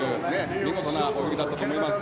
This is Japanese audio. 見事な泳ぎだったと思います。